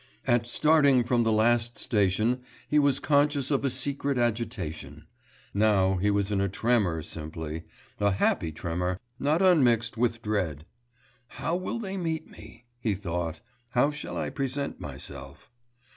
At starting from the last station he was conscious of a secret agitation; now he was in a tremor simply a happy tremor, not unmixed with dread. 'How will they meet me?' he thought, 'how shall I present myself?